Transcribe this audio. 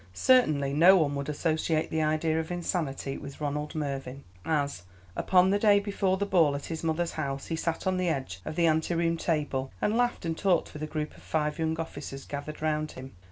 Certainly no one would associate the idea of insanity with Ronald Mervyn, as upon the day before the ball at his mother's house he sat on the edge of the ante room table, and laughed and talked with a group of five young officers gathered round him.